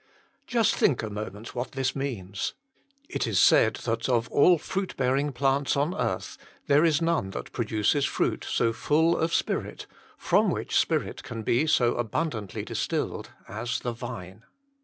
Just think a moment what this means. It is said that of all fruitbearing plants on earth there is none that produces fruit so full of spirit, from THE LIFE THAT CAN PRAY 63 which spirit can be so abundantly distilled, as the vine.